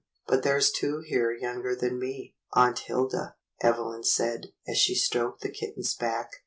But there's two here younger than me. Aunt Hilda," Evelyn said, as she stroked the kitten's back.